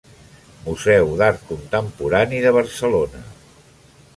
Museu d'Art Contemporani de Barcelona.